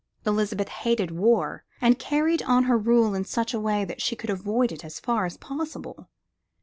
Elizabeth hated war and carried on her rule in such a way that she could avoid it as far as possible.